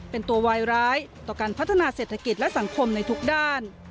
เป็นตัววายร้ายต่อการพัฒนาเศรษฐกิจและสังคมในทุกด้าน